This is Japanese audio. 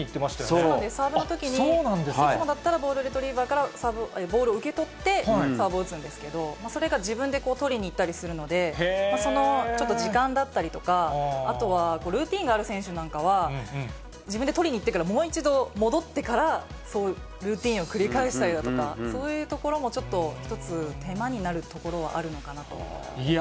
そうですね、サーブのときにいつもだったら、ボールレトリーバーから、ボールを受け取って、サーブを打つんですけど、それが自分で取りに行ったりするので、そのちょっと時間だったりとか、あとはルーティンがある選手なんかは、自分で取りに行ってから、もう一度、戻ってから、ルーティンを繰り返したりだとか、そういうところもちょっと、一つ、手間になるところはあるのかなと思いました。